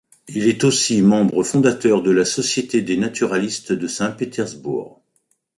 Il est aussi membre-fondateur de la Société des naturalistes de Saint-Pétersbourg.